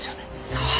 そう！